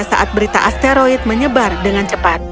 saat berita asteroid menyebar dengan cepat